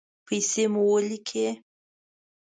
پیسې مو ولیکئ